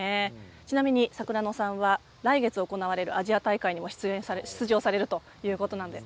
ちなみに櫻野さんは来月行われるアジア大会にも出場されるということです。